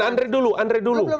jangan andri dulu